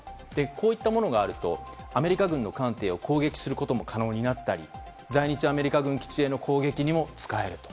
こういったものがあるとアメリカ軍の艦艇を攻撃することも可能になったり在日アメリカ軍基地への攻撃にも使えると。